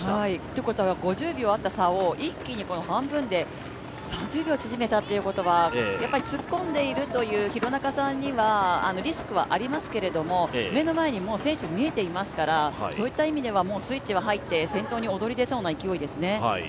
ということは５０秒あった差を一気に半分の３０秒縮めたということは、突っ込んでいるという廣中さんにはリスクはありますけどもう目の前に選手が見えてますからそういった意味ではスイッチに入って先頭に躍り出そうな勢いですね。